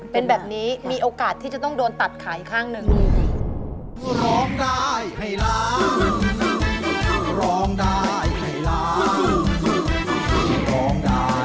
เป็นแบบนี้มีโอกาสที่จะต้องโดนตัดขาอีกข้างหนึ่ง